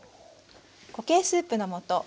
固形スープの素。